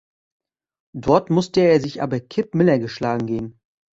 Dort musste er sich aber Kip Miller geschlagen geben.